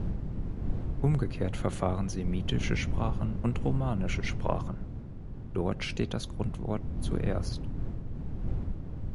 Umgekehrt verfahren semitische Sprachen und romanische Sprachen: Dort steht das Grundwort zuerst.